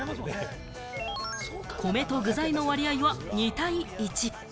米と具材の割合は２対１。